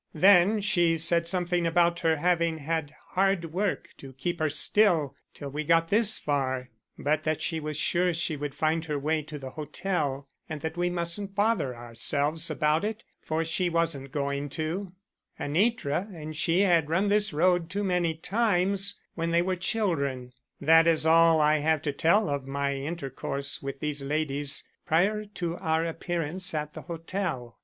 Then she said something about her having had hard work to keep her still till we got this far; but that she was sure she would find her way to the hotel, and that we mustn't bother ourselves about it for she wasn't going to; Anitra and she had run this road too many times when they were children. That is all I have to tell of my intercourse with these ladies prior to our appearance at the hotel.